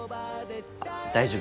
大丈夫。